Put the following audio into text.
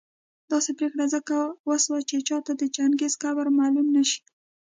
داسي پرېکړه ځکه وسوه چي چاته د چنګېز قبر معلوم نه شي